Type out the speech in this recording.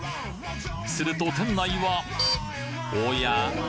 すると店内はおや？